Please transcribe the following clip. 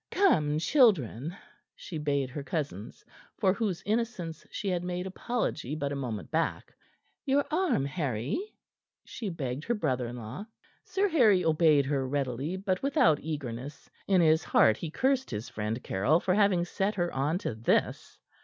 Come, children," she bade her cousins for whose innocence she had made apology but a moment back. "Your arm, Harry," she begged her brother in law. Sir Harry obeyed her readily, but without eagerness. In his heart he cursed his friend Caryll for having set her on to this.